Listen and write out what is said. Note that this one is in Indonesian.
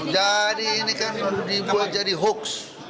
jadi ini kan dibuat jadi hoax